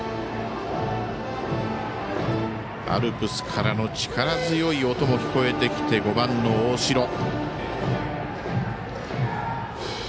アルプスからの力強い音も聞こえてきて５番の大城。